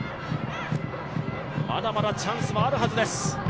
まだまだチャンスはあるはずです。